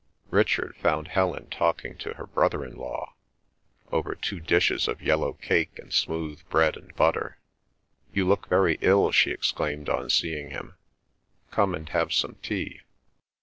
Richard found Helen talking to her brother in law, over two dishes of yellow cake and smooth bread and butter. "You look very ill!" she exclaimed on seeing him. "Come and have some tea."